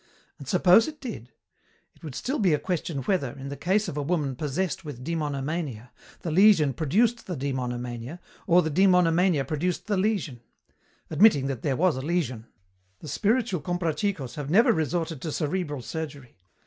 And suppose it did! It would still be a question whether, in the case of a woman possessed with demonomania, the lesion produced the demonomania, or the demonomania produced the lesion.... Admitting that there was a lesion! The spiritual Comprachicos have never resorted to cerebral surgery.